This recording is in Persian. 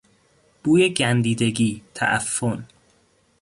بوی گندیدگی، تعفن